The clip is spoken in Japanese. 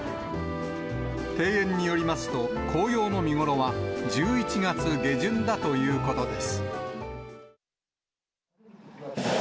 庭園によりますと、紅葉の見頃は１１月下旬だということです。